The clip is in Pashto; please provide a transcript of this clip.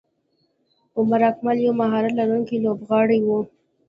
عمر اکمل یو مهارت لرونکی لوبغاړی وو.